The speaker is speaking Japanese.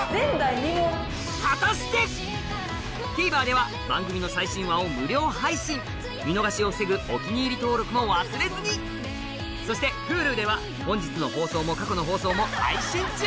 ＴＶｅｒでは番組の最新話を無料配信見逃しを防ぐ「お気に入り」登録も忘れずにそしてＨｕｌｕでは本日の放送も過去の放送も配信中！